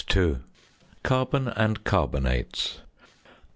SiO_? CARBON AND CARBONATES.